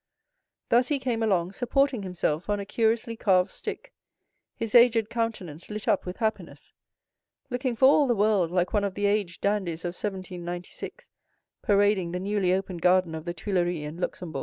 Thus he came along, supporting himself on a curiously carved stick, his aged countenance lit up with happiness, looking for all the world like one of the aged dandies of 1796, parading the newly opened gardens of the Luxembourg and Tuileries.